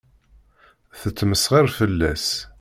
Tettmesxiṛ fell-as.